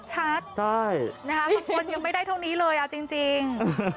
บางคนยังไม่ได้ตรงนี้เลยจริง